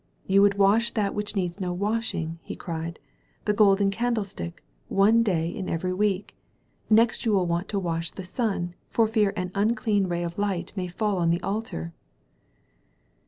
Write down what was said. *'You would wash that which needs no washing/' he cried, "the Golden Candlestick, one day in every week ! Next you will want to wash the sun for fear an unclean ray of light may fall on the altar